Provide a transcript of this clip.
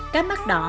cá mắt đỏ